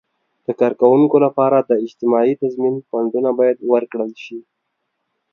د کارکوونکو لپاره د اجتماعي تضمین فنډونه باید ورکړل شي.